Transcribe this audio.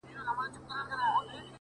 خدایه نور یې د ژوندو له کتار باسه!